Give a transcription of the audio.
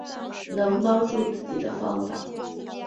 能帮助自己的办法